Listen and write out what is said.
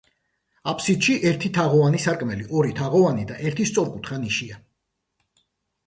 აბსიდში ერთი თაღოვანი სარკმელი, ორი თაღოვანი და ერთი სწორკუთხა ნიშია.